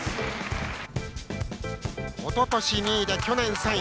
おととし２位で去年３位。